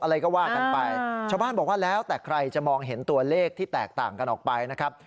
อะไรก็ว่ากันไปชาวบ้านบอกว่าแล้วแต่ใครจะมองเห็นตัวเลขที่แตกต่างกันออกไปนะครับ